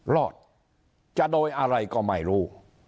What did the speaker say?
รอดจะโดยอะไรก็ไม่รู้